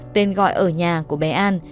tên gọi ở nhà của bé an